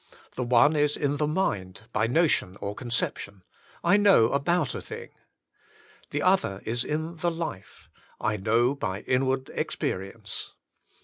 The one is in the mind by notion or conception; I know about a thing. TJie other is in the life; I know by inward experience.